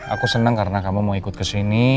aku seneng karena kamu mau ikut kesini